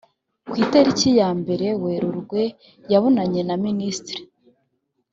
ku itariki ya mbere werurwe yabonanye na minisitiri